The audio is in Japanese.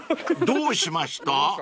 ［どうしました？］